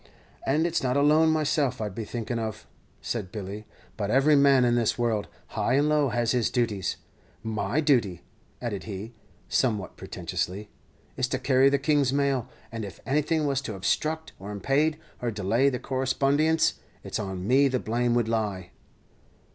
"And it's not alone myself I'd be thinking of," said Billy; "but every man in this world, high and low, has his duties. My duty," added he, somewhat pretentiously, "is to carry the King's mail; and if anything was to obstruckt, or impade, or delay the correspondience, it's on me the blame would lie."